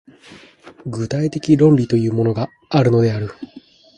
具体的論理というものがあるのである。